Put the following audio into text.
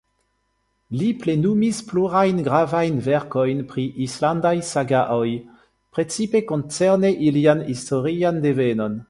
Li plenumis plurajn gravajn verkojn pri islandaj sagaoj, precipe koncerne ilian historian devenon.